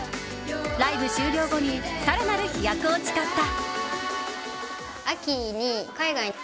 ライブ終了後に更なる飛躍を誓った。